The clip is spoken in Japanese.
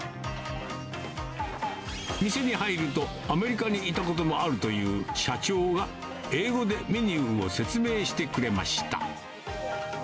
店に入ると、アメリカにいたこともあるという社長が、英語でメニューを説明してくれました。